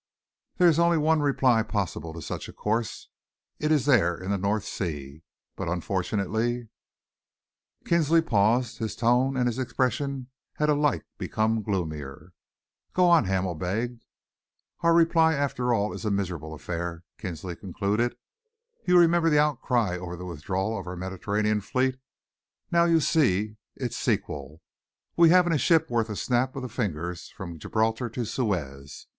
There is only one reply possible to such a course. It is there in the North Sea. But unfortunately " Kinsley paused. His tone and his expression had alike become gloomier. "Go on," Hamel begged. "Our reply, after all, is a miserable affair," Kinsley concluded. "You remember the outcry over the withdrawal of our Mediterranean Fleet? Now you see its sequel. We haven't a ship worth a snap of the fingers from Gibraltar to Suez.